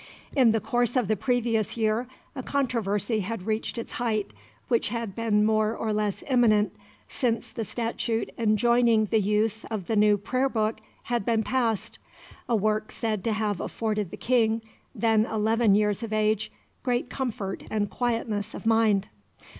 In the course of the previous year a controversy had reached its height which had been more or less imminent since the statute enjoining the use of the new Prayer book had been passed, a work said to have afforded the King then eleven years of age "great comfort and quietness of mind."